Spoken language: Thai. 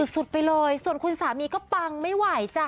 สุดไปเลยส่วนคุณสามีก็ปังไม่ไหวจ้ะ